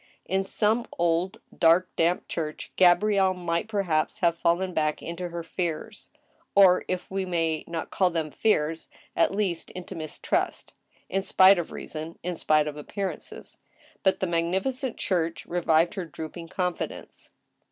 In some old, dark, damp church Gabrielle might perhaps have fallen back into her fears, or, if we may not call them fears, at least into mistrust, in spite of reason, in spite of appearances. But the magnificent church revived her drooping confidence.